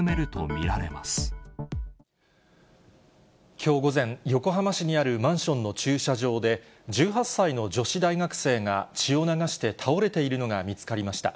きょう午前、横浜市にあるマンションの駐車場で、１８歳の女子大学生が血を流して倒れているのが見つかりました。